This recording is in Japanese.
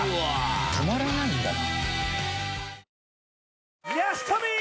止まらないんだな。